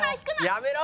「やめろ！」